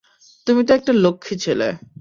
তুমি তো একটা লক্ষ্মী ছেলে।